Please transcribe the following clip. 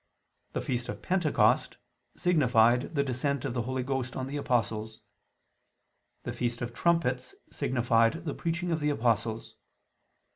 The feast of Pentecost signified the Descent of the Holy Ghost on the apostles. The feast of Trumpets signified the preaching of the apostles.